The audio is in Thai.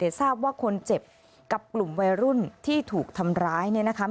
ทราบว่าคนเจ็บกับกลุ่มวัยรุ่นที่ถูกทำร้ายเนี่ยนะคะ